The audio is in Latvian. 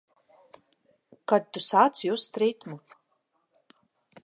Kad tu sāc just ritmu.